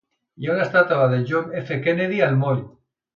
Hi ha una estàtua de John F. Kennedy al moll.